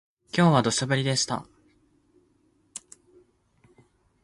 今日は土砂降りでした